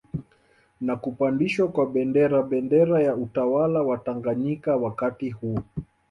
Na kupandishwa kwa Bendera bendera ya utawala wa Tanganyika wakati huo